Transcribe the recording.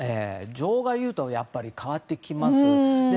女王が言うとやっぱり変わってきます。